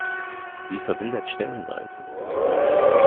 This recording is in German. Sie verwildert stellenweise.